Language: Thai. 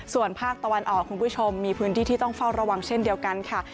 ส่วนภาคตะวันออกคุณผู้ชมมีพื้นที่ที่ต้องเฝ้าระวังเช่นเดียวกันค่ะ